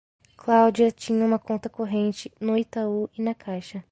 Cláudia tinha uma conta corrente no Itaú e na Caixa.